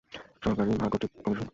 সহকারী narcotic commissioner.